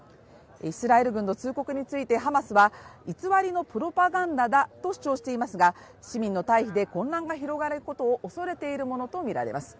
イスラエル軍の通告についてハマスは偽りのプロパガンダだと主張していますが、市民の退避で混乱が広がることを恐れているものとみられます。